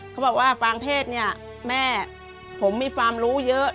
เขาบอกว่าฟางเทศเนี่ยแม่ผมมีความรู้เยอะ